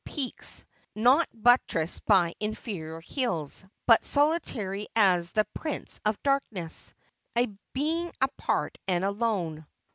peaks, not buttressed by inferior hills, but solitary as the Prince of Darkness, a being apart and alone.